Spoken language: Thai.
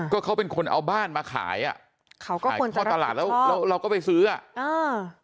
ก็เขาเป็นคนเอาบ้านมาขายอ่ะขายท่อตลาดแล้วเราก็ไปซื้ออ่ะ